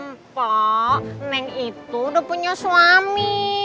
mpok neng itu udah punya suami